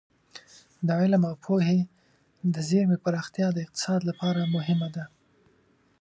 د علم او پوهې د زېرمې پراختیا د اقتصاد لپاره مهمه ده.